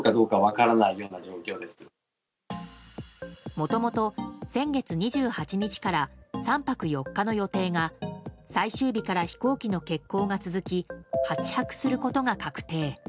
もともと先月２８日から３泊４日の予定が最終日から飛行機の欠航が続き８泊することが確定。